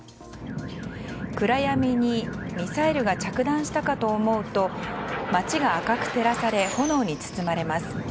暗闇にミサイルが着弾したかと思うと街が赤く照らされ炎に包まれます。